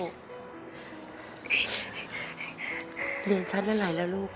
เกิดเรียนชั้นอะไรแล้วลูก